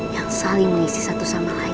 yang saling mengisi satu sama lain